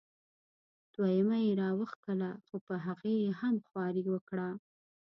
دویمه یې را وښکله خو په هغې یې هم خواري وکړه.